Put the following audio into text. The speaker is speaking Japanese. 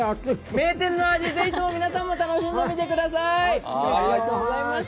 名店の味、ぜひとも皆さん楽しんでみてください。